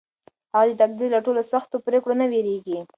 هغه د تقدیر له ټولو سختو پرېکړو نه وېرېږي.